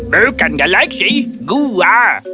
bukan galaksi gua